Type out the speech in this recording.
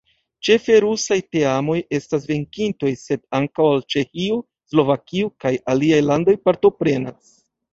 Ĉefe rusaj teamoj estas venkintoj, sed ankaŭ el Ĉeĥio, Slovakio kaj aliaj landoj partoprenas.